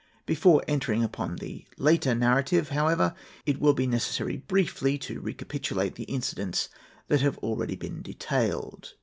Before entering upon the later narrative, however, it will be necessary briefly to recapitulate the incidents that have been already detailed.